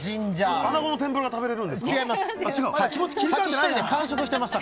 穴子の天ぷらが食べられるんですか。